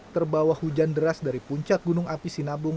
terbawa hujan deras dari puncak gunung api sinabung